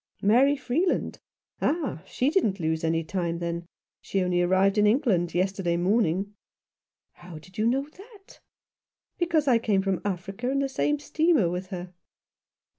" Mary Freeland ? Ah, she. didn't lose any time, then. She only arrived in England yesterday morning." " How did you know that ?" "Because I came from Africa in the same steamer with her."